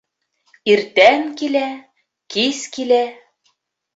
Иртән килә, кис килә.